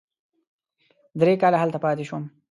درې کاله هلته پاتې شوم.